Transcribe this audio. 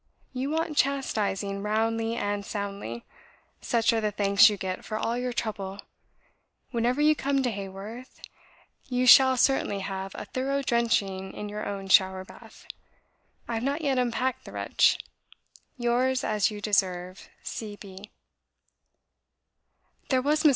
You want chastising roundly and soundly. Such are the thanks you get for all your trouble. ... Whenever you come to Haworth, you shall certainly have a thorough drenching in your own shower bath. I have not yet unpacked the wretch. "Yours, as you deserve, C. B."